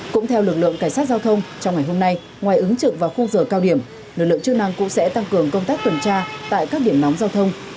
cũng theo lực lượng cảnh sát giao thông trong ngày hôm nay ngoài ứng trực vào khung giờ cao điểm lực lượng chức năng cũng sẽ tăng cường công tác tuần tra tại các điểm nóng giao thông